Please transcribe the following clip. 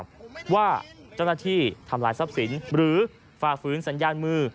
เพราะว่าเจ้าหน้าที่ทำลายทรัพย์สินหรือฝ่าฝืนสัญญาณมือ